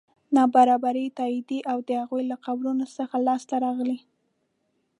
نابرابري تاییدوي د هغوی له قبرونو څخه لاسته راغلي.